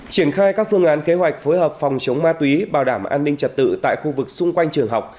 triển khai các phương án kế hoạch phối hợp phòng chống ma túy bảo đảm an ninh trật tự tại khu vực xung quanh trường học